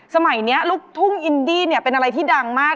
สมัยนี้ลูกทุ่งอินดี้เนี่ยเป็นอะไรที่ดังมาก